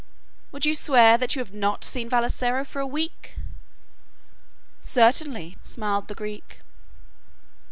"Would you swear that you have not seen Vassalaro for a week?" "Certainly," smiled the Greek.